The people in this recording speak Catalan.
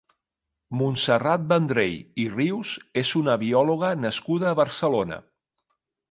Montserrat Vendrell i Rius és una biòloga nascuda a Barcelona.